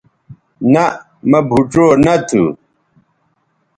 نہء مہ بھوڇؤ نہ تھو